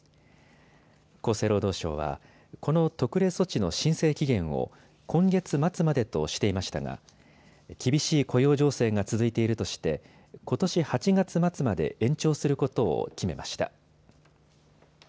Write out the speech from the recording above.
厚生労働省はこの特例措置の申請期限を今月末までとしていましたが厳しい雇用情勢が続いているとして、ことし８月末まで延長することを決めました。